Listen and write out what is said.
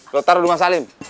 lo taruh di rumah salim